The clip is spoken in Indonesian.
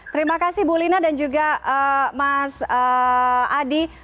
terima kasih bu lina dan juga mas adi